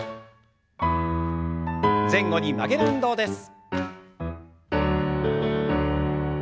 前後に曲げる運動です。